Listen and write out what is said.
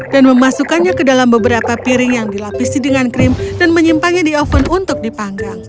memasukkannya ke dalam beberapa piring yang dilapisi dengan krim dan menyimpangnya di oven untuk dipanggang